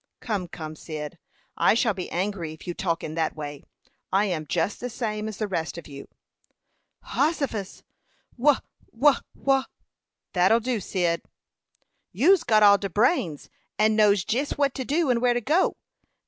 "Come, come, Cyd. I shall be angry if you talk in that way. I am just the same as the rest of you." "Hossifus! Wha wha wha " "That'll do, Cyd." "You's got all de brains, and knows jes what to do and where to go.